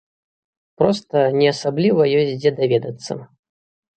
Проста не асабліва ёсць дзе даведацца.